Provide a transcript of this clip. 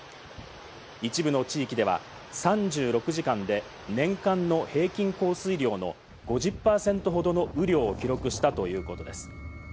一部の地域では３６時間で、年間の平均降水量の５０％ほどの雨量を記録したということです。